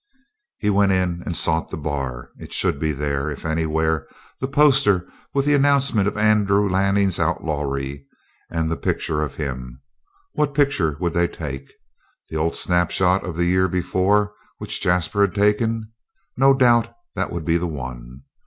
He went in and sought the bar. It should be there, if anywhere, the poster with the announcement of Andrew Lanning's outlawry and the picture of him. What picture would they take? The old snapshot of the year before, which Jasper had taken? No doubt that would be the one.